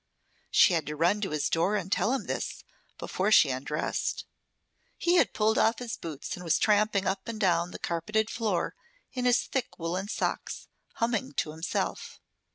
She had to run to his door and tell him this before she undressed. He had pulled off his boots and was tramping up and down the carpeted floor in his thick woolen socks, humming to himself.